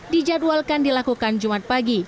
dijadwalkan dilakukan jumat pagi